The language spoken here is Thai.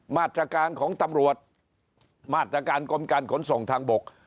มาตรการของตำรวจมาตรการกรมการขนส่งทางบก